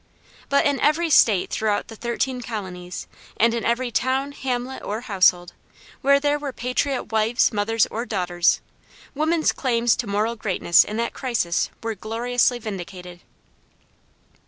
But in every State throughout the thirteen colonies, and in every town, hamlet, or household, where there were patriot wives, mothers, or daughters, woman's claims to moral greatness in that crisis were gloriously vindicated.